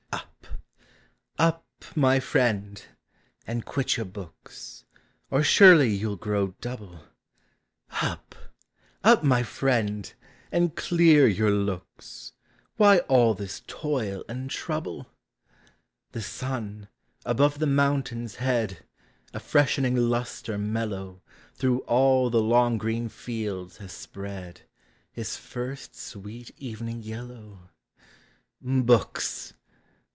Ur! up, my friend! and quit your books, Or surely von '11 grow double; Qp! up, my friend! and clear your lookfl Wliv all this toil and trouble? 24 POEMS OF NATURE. The sun, above the mountain's head, A freshening lustre mellow Through all the long green fields has spread, His first sweet evening yellow. Books!